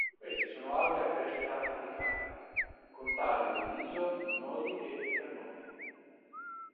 Queste sono alghe a crescita apicale, con tallo diviso in nodi e internodi.